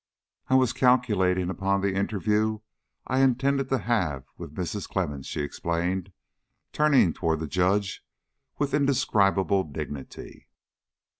"I was calculating upon the interview I intended to have with Mrs. Clemmens," she explained, turning toward the Judge with indescribable dignity.